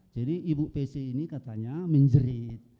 jadi ibu pc ini katanya menjerit